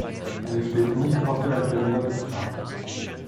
Sie steht nicht auf der Agenda des Rates.